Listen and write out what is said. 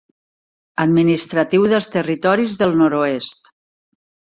Administratiu dels Territoris del Nord-oest.